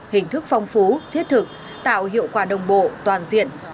hình thức phong phú thiết thực tạo hiệu quả đồng bộ toàn diện